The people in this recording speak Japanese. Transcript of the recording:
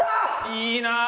いいなあ。